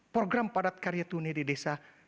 program padat karya tunai di desa